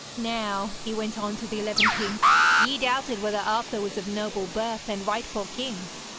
'Now,' he went on to the eleven kings, 'ye doubted whether Arthur was of noble birth, and rightful king.